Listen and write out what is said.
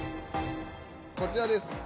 こちらです。